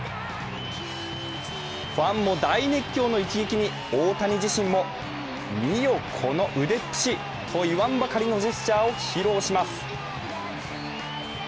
ファンも大熱狂の一撃に大谷自身も、見よこの腕っぷしといわんばかりのジェスチャーを披露します。